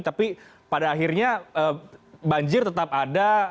tapi pada akhirnya banjir tetap ada